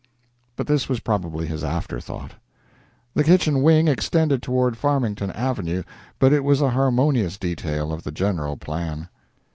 But this was probably his afterthought. The kitchen wing extended toward Farmington Avenue, but it was a harmonious detail of the general plan.